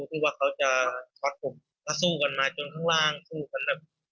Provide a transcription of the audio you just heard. ที่ว่าเขาจะชอตผมจะสู้กันมาจนข้างล่าง